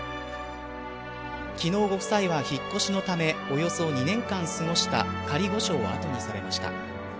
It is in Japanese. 昨日、ご夫妻は引っ越しのためおよそ２年間過ごした仮御所を後にされました。